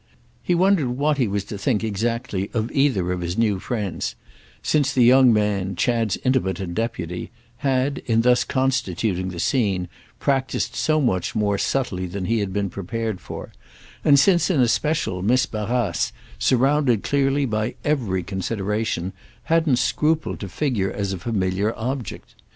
He wondered what he was to think exactly of either of his new friends; since the young man, Chad's intimate and deputy, had, in thus constituting the scene, practised so much more subtly than he had been prepared for, and since in especial Miss Barrace, surrounded clearly by every consideration, hadn't scrupled to figure as a familiar object.